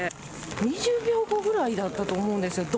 ２０秒後ぐらいだと思うんですど